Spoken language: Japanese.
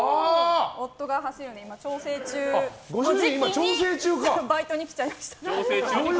夫が走るので調整中の時期にバイトに来ちゃいました。